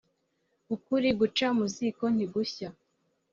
Ukuri guca muziko ntigushya